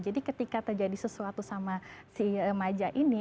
jadi ketika terjadi sesuatu sama si remaja ini